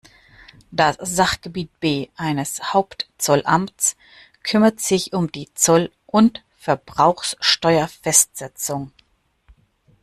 Das Sachgebiet B eines Hauptzollamts kümmert sich um die Zoll- und Verbrauchsteuerfestsetzung.